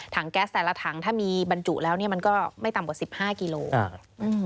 ถังแก๊สแต่ละถังถ้ามีบรรทุกแล้วมันก็ไม่ต่ำกว่า๑๕กิโลกรัม